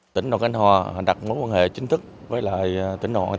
tỉnh đoàn khánh hòa đặt mối quan hệ chính thức với lại tỉnh đoàn khánh hòa